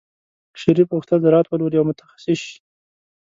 شریف غوښتل زراعت ولولي او متخصص شي.